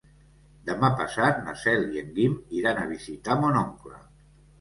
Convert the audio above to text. Demà passat na Cel i en Guim iran a visitar mon oncle.